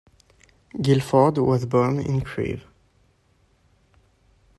Gilford was born in Crewe.